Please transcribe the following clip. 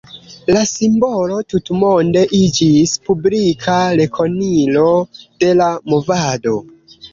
La simbolo tutmonde iĝis publika rekonilo de la movado.